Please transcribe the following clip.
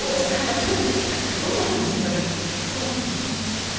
どんな話をされるんですか。